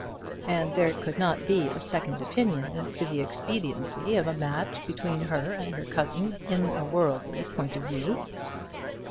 And there could not be a second opinion as to the expediency of a match between her and her cousin in a worldly point of view.